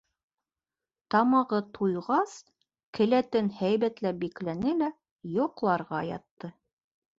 Тамағы туйғас, келәтен һәйбәтләп бикләне лә, йоҡларға ятты.